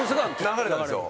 流れたんですよ。